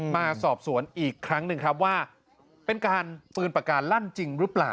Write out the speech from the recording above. มาสอบสวนอีกครั้งหนึ่งครับว่าเป็นการปืนปากกาลั่นจริงหรือเปล่า